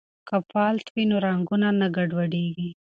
که پالت وي نو رنګونه نه ګډوډیږي.